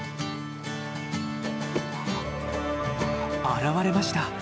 現れました。